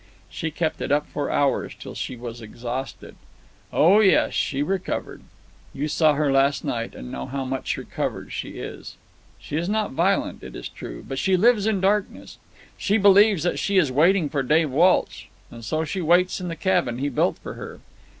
She kept it up for hours, till she was exhausted. Oh, yes, she recovered. You saw her last night, and know how much recovered she is. She is not violent, it is true, but she lives in darkness. She believes that she is waiting for Dave Walsh, and so she waits in the cabin he built for her.